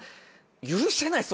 許せないです